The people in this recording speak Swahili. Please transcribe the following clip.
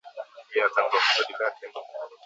Je watambua kusudi lake Mungu.